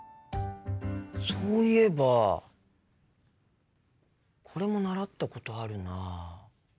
そういえばこれも習ったことあるな。